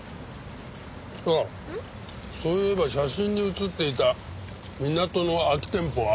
あっそういえば写真に写っていた港の空き店舗は？